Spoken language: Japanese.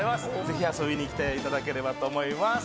ぜひ遊びに来ていただければと思います。